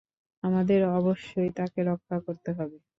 আমাদের অবশ্যই তাকে রক্ষা করতে হবে।